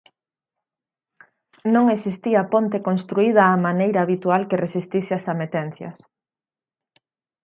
Non existía ponte construída á maneira habitual que resistise as ametencias.